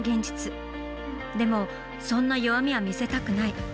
でもそんな弱みは見せたくない。